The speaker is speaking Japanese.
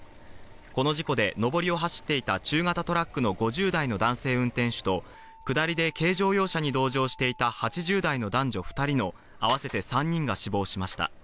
この事故で上りを走っていた中型トラックの５０代の男性運転手と、下りで軽乗用車に同乗していた８０代の男女合わせて３人が死亡しました。